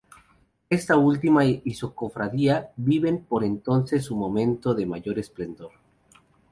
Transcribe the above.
Esta última y su cofradía viven por entonces su momento de mayor esplendor.